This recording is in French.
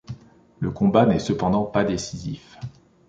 Le combat n'est cependant pas décisif.